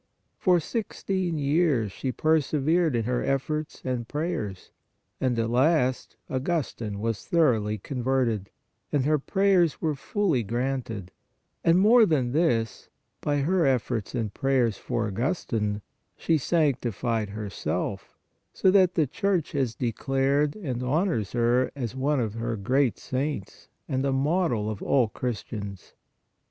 For six teen years she persevered in her efforts and prayers and, at last, Augustine was thoroughly converted, and her prayers were fully granted, and more than this by her efforts and prayers for Augustine, she sanctified herself so that the Church has declared and honors her as one of her great saints and a model of all Christians.